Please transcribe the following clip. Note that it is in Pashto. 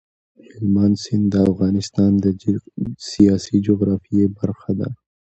هلمند سیند د افغانستان د سیاسي جغرافیې برخه ده.